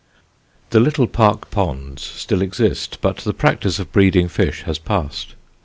The Little Park ponds still exist, but the practice of breeding fish has passed.